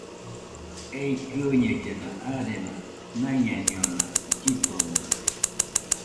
Ei kɨoñellena arena naiñañona llidonote